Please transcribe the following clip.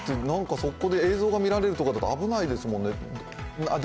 そこで映像が見られるとか、危ないですもんね。